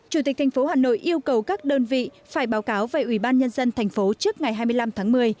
chủ tịch tp hà nội yêu cầu các đơn vị phải báo cáo về ủy ban nhân dân tp trước ngày hai mươi năm tháng một mươi